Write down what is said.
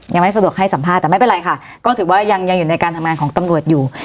ยังไม่สะดวกให้สัมภาษณ์แต่ไม่เป็นไรค่ะก็ถือว่ายังยังอยู่ในการทำงานของตำรวจอยู่